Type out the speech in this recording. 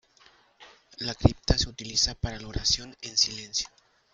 La cripta se utiliza para la oración en silencio.